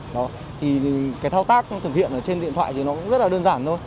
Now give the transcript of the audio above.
đó thì cái thao tác thực hiện ở trên điện thoại thì nó cũng rất là đơn giản thôi